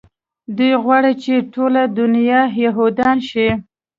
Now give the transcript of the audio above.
دوى غواړي چې ټوله دونيا يهودان شي.